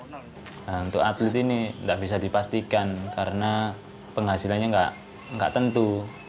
nah untuk atlet ini nggak bisa dipastikan karena penghasilannya nggak tentu